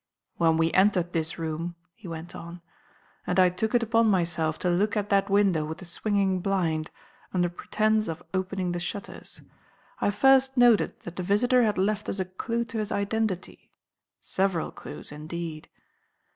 "When we entered this room," he went on, "and I took it upon myself to look at that window with the swinging blind, under pretence of opening the shutters, I first noted that the visitor had left us a clue to his identity several clues, indeed.